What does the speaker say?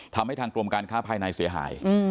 ทำให้ทางกรมการค้าภายในเสียหาย